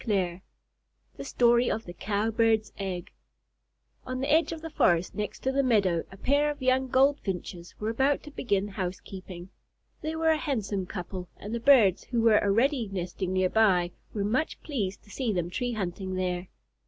THE STORY OF THE COW BIRD'S EGG On the edge of the forest next to the meadow, a pair of young Goldfinches were about to begin housekeeping. They were a handsome couple, and the birds who were already nesting near by were much pleased to see them tree hunting there.